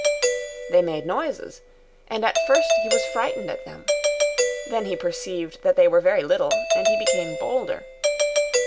They made noises, and at first he was frightened at them. Then he perceived that they were very little, and he became bolder.